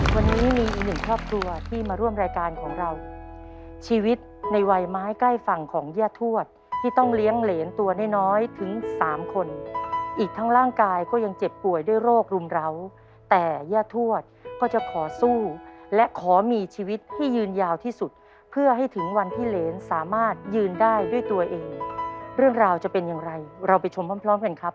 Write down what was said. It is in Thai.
วันนี้มีอีกหนึ่งครอบครัวที่มาร่วมรายการของเราชีวิตในวัยไม้ใกล้ฝั่งของย่าทวดที่ต้องเลี้ยงเหรนตัวน้อยน้อยถึงสามคนอีกทั้งร่างกายก็ยังเจ็บป่วยด้วยโรครุมร้าวแต่ย่าทวดก็จะขอสู้และขอมีชีวิตให้ยืนยาวที่สุดเพื่อให้ถึงวันที่เหรนสามารถยืนได้ด้วยตัวเองเรื่องราวจะเป็นอย่างไรเราไปชมพร้อมกันครับ